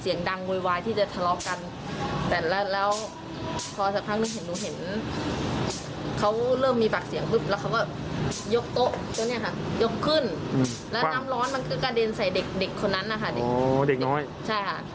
ยกโต๊ะยกขึ้นแล้วน้ำร้อนกำเครกระแดนใส่เด็กคนนั้นน่ะค่ะ